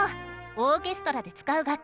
オーケストラで使う楽器